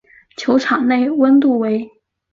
球场内温度为。